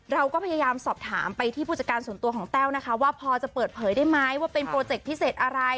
เราก็พยายามสอบถามไปที่ผู้จัดการส่วนตัวของแต้วนะคะว่าพอจะเปิดเผยได้ไหมว่าเป็นโปรเจคพิเศษอะไร